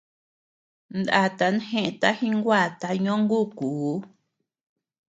Ndatan jeʼëta jinguata ñóngukuu.